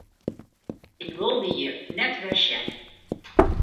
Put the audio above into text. Ik wol dy hjir net wer sjen!